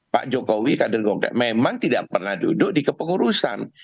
pak jokowi kader golkar memang tidak pernah duduk di kepengurusan